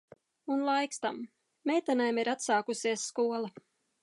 Un laiks tam. Meitenēm ir atsākusies skola.